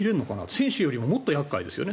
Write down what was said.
選手よりももっと厄介ですよね